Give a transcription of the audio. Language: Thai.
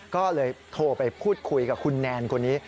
ก็เลยโทรไปพูดคุยกับคุณแนนคนนี้